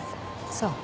そう。